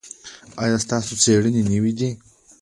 ایا ستاسو څیړنې نوې دي؟